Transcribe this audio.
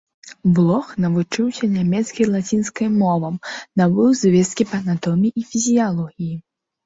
Блох навучыўся нямецкай і лацінскай мовам, набыў звесткі па анатоміі і фізіялогіі.